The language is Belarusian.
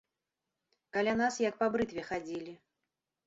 Каля нас як па брытве хадзілі.